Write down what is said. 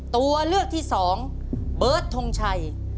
ตัวเลือกที่สองเบิร์ตทงชัย